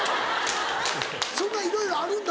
そんなんいろいろあるんだ